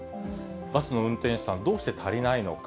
バスの運転手さん、どうして足りないのか。